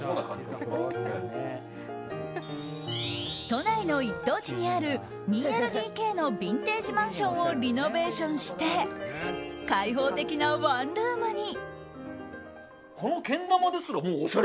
都内の一等地にある２ＬＤＫのビンテージマンションをリノベーションして開放的なワンルームに。